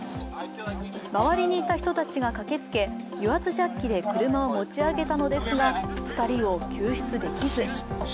周りにいた人たちが駆けつけ油圧ジャッキで車を持ち上げたのですが、２人を救出できず。